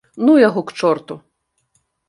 Ну яго к чорту.